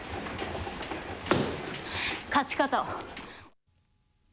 勝ち方を。